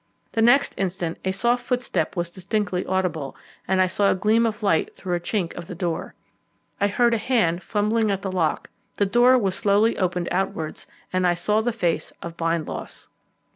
The next instant a soft footstep was distinctly audible, and I saw a gleam of light through a chink of the door. I heard a hand fumbling at the lock, the door was slowly opened outwards, and I saw the face of Bindloss.